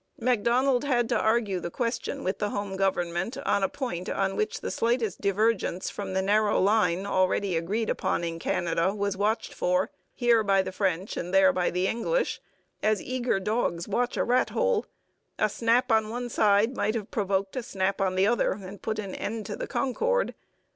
Macdonald had to argue the question with the Home Government on a point on which the slightest divergence from the narrow line already agreed upon in Canada was watched for here by the French and there by the English as eager dogs watch a rat hole; a snap on one side might have provoked a snap on the other and put an end to the concord.